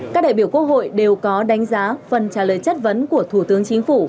các đại biểu quốc hội đều có đánh giá phần trả lời chất vấn của thủ tướng chính phủ